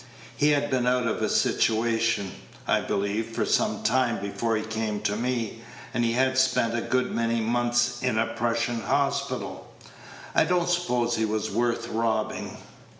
He had been out of a situation, I believe, for some time before he came to me, and he had spent a good many months in a Prussian hospital. I don't suppose he was worth robbing."